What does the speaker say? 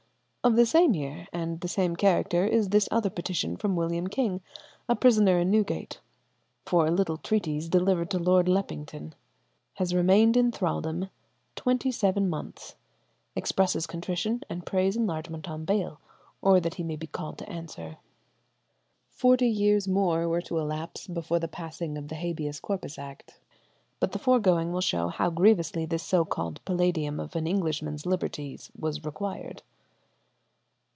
Of the same year and the same character is this other petition from William King, a prisoner in Newgate, "for a little treatise delivered to Lord Leppington." Has remained in thraldom twenty seven months; expresses contrition and prays enlargement on bail, or that he may be called to answer. Forty years more were to elapse before the passing of the Habeas Corpus Act; but the foregoing will show how grievously this so called palladium of an Englishman's liberties was required.